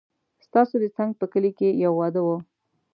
ستاسو د څنګ په کلي کې يو واده و